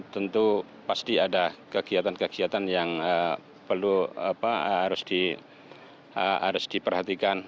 tentu pasti ada kegiatan kegiatan yang harus diperhatikan